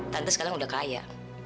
tante sekarang sudah kaya